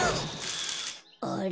あれ？